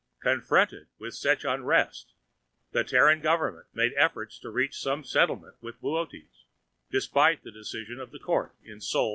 Confronted with such unrest, the Terran government made efforts to reach some settlement with Boötes despite the decision of the Court in _Sol v.